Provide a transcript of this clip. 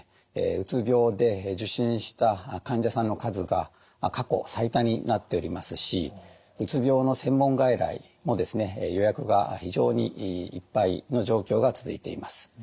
うつ病で受診した患者さんの数が過去最多になっておりますしうつ病の専門外来も予約が非常にいっぱいの状況が続いています。